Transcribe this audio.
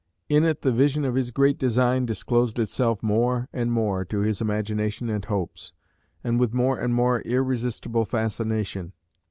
In it the vision of his great design disclosed itself more and more to his imagination and hopes, and with more and more irresistible fascination.